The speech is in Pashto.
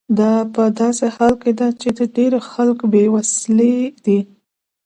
دا په داسې حال کې ده چې ډیری خلک بې وسیلې دي.